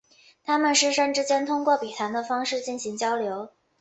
他们师生之间通过笔谈的方式进行交流。